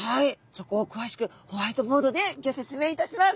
そこを詳しくホワイトボードでギョ説明いたします。